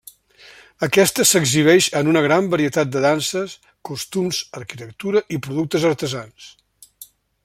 Aquesta s'exhibeix en una gran varietat de danses, costums, arquitectura i productes artesans.